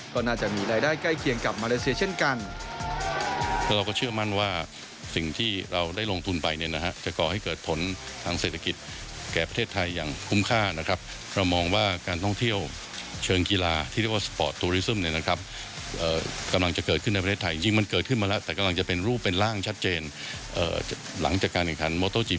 ก็น่าจะมีรายได้ใกล้เคียงกับมาเลเซียเช่นกัน